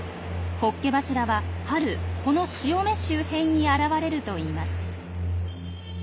ホッケ柱は春この潮目周辺に現れるといいます。